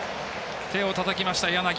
手をたたきました、柳。